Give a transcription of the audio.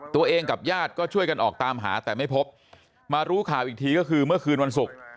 กับญาติก็ช่วยกันออกตามหาแต่ไม่พบมารู้ข่าวอีกทีก็คือเมื่อคืนวันศุกร์